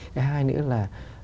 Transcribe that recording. cái hai nữa là